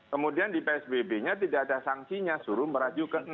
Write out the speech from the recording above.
kemudian di psbb nya tidak ada sanksinya suruh meraju ke enam